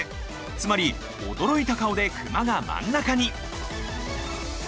つまり驚いた顔でクマが真ん中に！